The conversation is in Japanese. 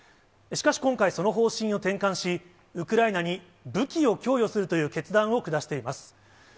しかし、今回、その方針を転換し、ウクライナに武器を供与するという決断を下しています。